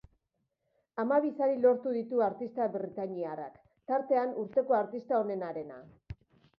Hamabi sari lortu ditu artista britainiarrak, tartean, urteko artista onenarena.